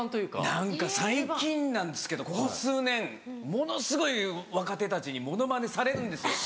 何か最近なんですけどここ数年ものすごい若手たちにモノマネされるんですよ。